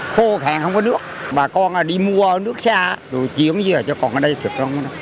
khô khạn không có nước bà con đi mua nước xa rồi chiếm về cho còn ở đây được không nữa